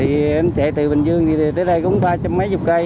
vì em tựa từ bình dương thì tới đây cũng ba trăm linh mấy chục cây